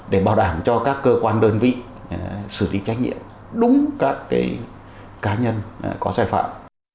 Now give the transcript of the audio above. để bảo đảm cho các cơ quan đơn vị xử lý trách nhiệm đúng các cá nhân có sai phạm